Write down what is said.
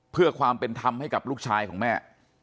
เพื่อความเป็นธรรมให้กับลูกชายของแม่